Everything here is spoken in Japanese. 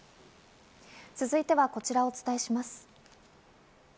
続いてはこちらをお伝えします。